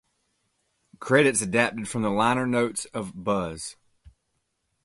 Credits adapted from the liner notes of "Buzz".